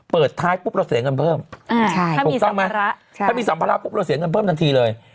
เปิดท้ายปุ๊บเราเสียเงินเพิ่มถูกต้องไหมถ้ามีสัมภาระปุ๊บเราเสียเงินเพิ่มทันทีเลย